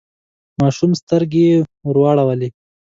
ماشوم سترګې ورواړولې.